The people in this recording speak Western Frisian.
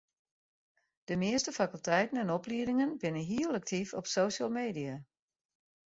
De measte fakulteiten en opliedingen binne hiel aktyf op social media.